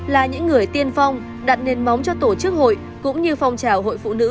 là những người tiên phong đặt nền móng cho tổ chức hội cũng như phong trào hội phụ nữ